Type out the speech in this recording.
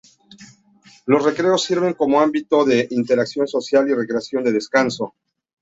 Los recreos sirven como ámbito de interacción social, de recreación, y de descanso.